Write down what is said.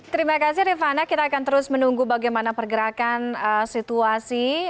terima kasih rifana kita akan terus menunggu bagaimana pergerakan situasi